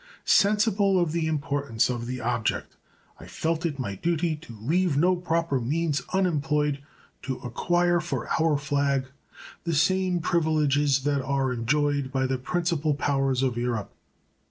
Sensible of the importance of the object, I felt it my duty to leave no proper means unemployed to acquire for our flag the same privileges that are enjoyed by the principal powers of Europe.